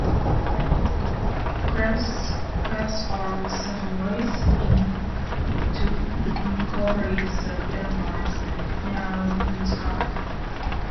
Krebs of Saint Louis, to incorporate the Van Noy Railroad News Company.